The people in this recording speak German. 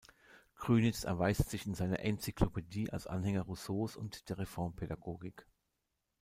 Krünitz erweist sich in seiner Enzyklopädie als Anhänger Rousseaus und der Reformpädagogik.